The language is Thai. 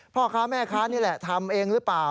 พ่อค้าแม่ค้านี่แหละทำเองหรือเปล่า